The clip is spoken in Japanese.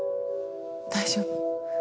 大丈夫？